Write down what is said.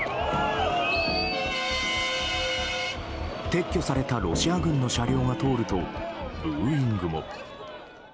撤去されたロシア軍の車両が通るとブーイングも。